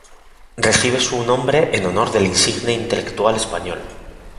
Recibe su nombre en honor del insigne intelectual español.